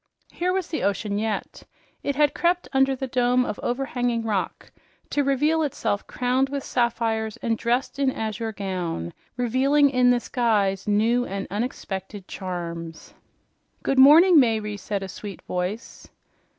Here was the ocean yet. It had crept under the dome of overhanging rock to reveal itself crowned with sapphires and dressed in azure gown, revealing in this guise new and unexpected charms. "Good morning, Mayre," said a sweet voice.